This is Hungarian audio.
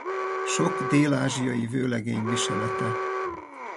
Sok dél-ázsiai vőlegény viselete.